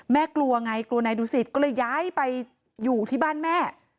กลัวไงกลัวนายดูสิตก็เลยย้ายไปอยู่ที่บ้านแม่